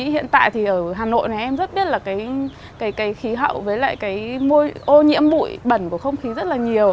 hiện tại thì ở hà nội này em rất biết là cái khí hậu với lại cái ô nhiễm bụi bẩn của không khí rất là nhiều